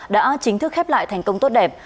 đã chính thức khép lại thành công tốt đẹp